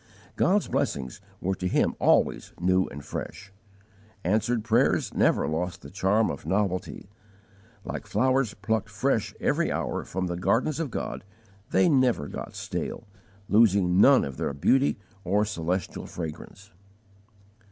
God's blessings were to him always new and fresh. Answered prayers never lost the charm of novelty; like flowers plucked fresh every hour from the gardens of God, they never got stale, losing none of their beauty or celestial fragrance.